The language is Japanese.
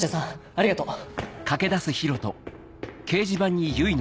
ありがとう。